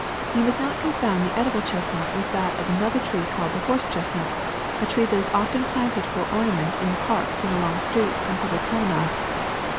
You must not confound the edible chestnut with that of another tree called the horse chestnut, a tree that is often planted for ornament in parks and along streets and public promenades.